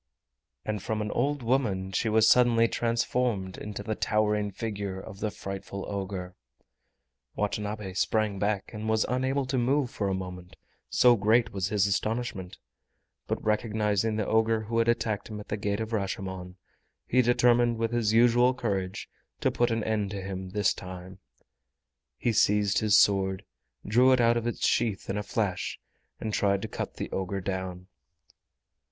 And from an old woman she was suddenly transformed into the towering figure of the frightful ogre! Watanabe sprang back and was unable to move for a moment, so great was his astonishment; but recognizing the ogre who had attacked him at the Gate of Rashomon, he determined with his usual courage to put an end to him this time. He seized his sword, drew it out of its sheath in a flash, and tried to cut the ogre down.